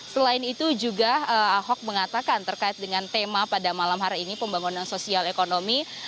selain itu juga ahok mengatakan terkait dengan tema pada malam hari ini pembangunan sosial ekonomi